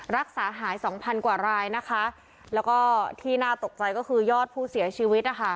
รักษาหายสองพันกว่ารายนะคะแล้วก็ที่น่าตกใจก็คือยอดผู้เสียชีวิตนะคะ